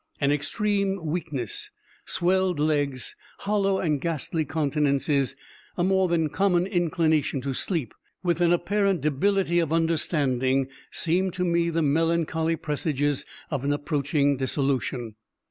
An extreme weakness, swelled legs, hollow and ghastly countenances, a more than common inclination to sleep, with an apparent debility of understanding, seemed to me the melancholy presages of an approaching dissolution.